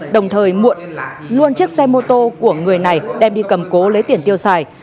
đồng thời muộn luôn chiếc xe ô tô của người này đem đi cầm cố lấy tiền tiêu xài